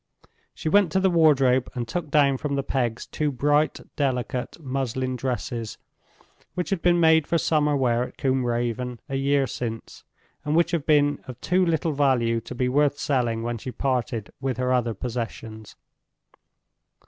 She went to the wardrobe and took down from the pegs two bright, delicate muslin dresses, which had been made for summer wear at Combe Raven a year since, and which had been of too little value to be worth selling when she parted with her other possessions.